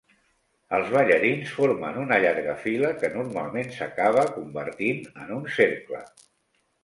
Els ballarins formen una llarga fila que normalment s'acaba convertint en un cercle.